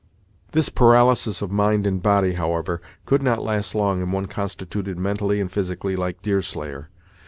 This paralysis of mind and body, however, could not last long in one constituted mentally and physically like Deerslayer.